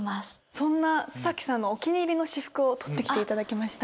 そんな須さんのお気に入りの私服を撮って来ていただきました。